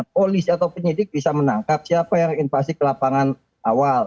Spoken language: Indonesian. polisi atau penyidik bisa menangkap siapa yang invasi ke lapangan awal